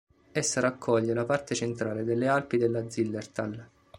Essa raccoglie la parte centrale delle Alpi della Zillertal.